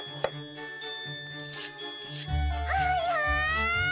はやい！